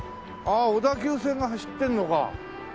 あ小田急線が走ってるのか。